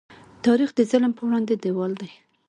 تاریخ د ظلم په وړاندې دیوال دی.